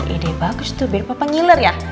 ide bagus tuh biar papa ngiler ya